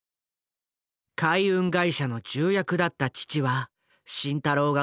海運会社の重役だった父は慎太郎が高校生の時に他界。